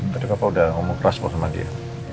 tadi kakak udah ngomong keras sama dia